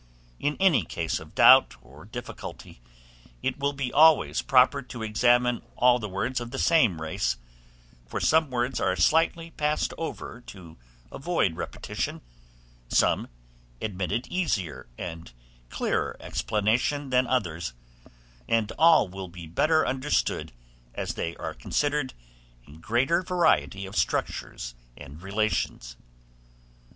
In any case of doubt or difficulty, it will be always proper to examine all the words of the same race; for some words are slightly passed over to avoid repetition, some admitted easier and clearer explanation than others, and all will be better understood, as they are considered in greater variety of structures and relations.